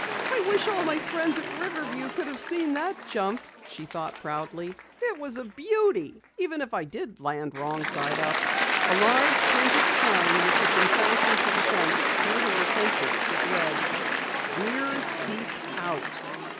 "I wish all my friends at Riverview could have seen that jump!" she thought proudly. "It was a beauty even if I did land wrong side up." A large painted sign which had been fastened to the fence, drew her attention. It read: "Skiers Keep Out."